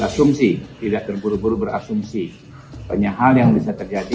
asumsi tidak terburu buru berasumsi banyak hal yang bisa terjadi